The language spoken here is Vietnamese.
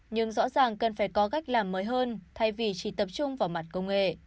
nhưng rõ ràng cần phải có cách làm mới hơn thay vì chỉ tập trung vào mặt công nghệ